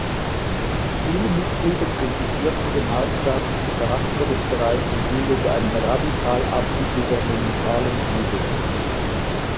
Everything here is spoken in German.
Viele Mitglieder kritisierten den halbstaatlichen Charakter des Vereins und bildeten einen „radikal anti-gouvernementalen Flügel“.